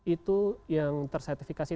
itu yang tersertifikasi